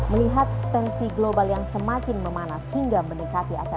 melihat tensi global yang semakin memanas hingga mendekati